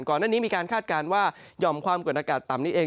ก่อนหน้านี้มีการคาดการณ์ว่าหย่อมความกดอากาศต่ำนี้เอง